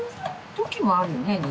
時もあるよね